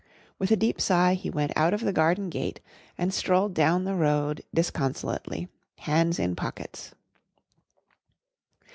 With a deep sigh he went out of the garden gate and strolled down the road disconsolately, hands in pockets.